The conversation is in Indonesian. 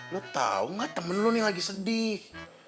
lu tau gak temen lu nih lagi sedih